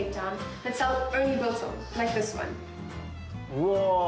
うわ。